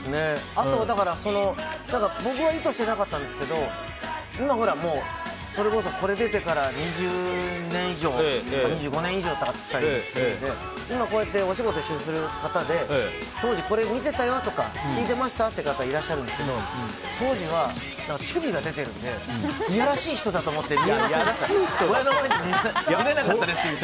あとは僕は意図してなかったんですけど今ほら、それこそこれが出てから２５年以上が経ったりしてるので今、お仕事ご一緒する方で当時これ見てたよとか聴いてましたって方いらっしゃるんですけど当時は、乳首が出てるんでいやらしい人だと思ってって見れなかったですって。